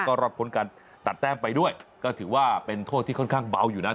ก็รอดพ้นการตัดแต้มไปด้วยก็ถือว่าเป็นโทษที่ค่อนข้างเบาอยู่นะ